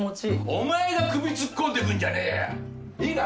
お前が首突っ込んでくんじゃねえよ。いいか？